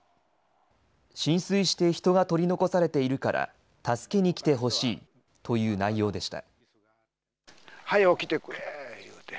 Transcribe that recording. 浸水して人が取り残されているから、助けに来てほしいという内容でした。